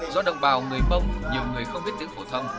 do đồng bào người mông nhiều người không biết tiếng phổ thông